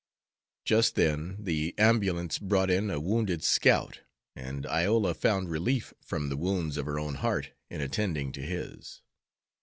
Just then the ambulance brought in a wounded scout, and Iola found relief from the wounds of her own heart in attending to his.